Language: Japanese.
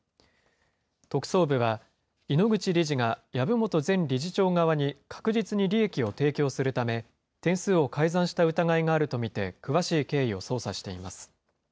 特捜部は、井ノ口理事が籔本前理事長側に確実に利益を提供するため、点数を改ざんした疑いがあると見て、詳しい経緯を捜査しています。